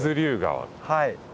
はい。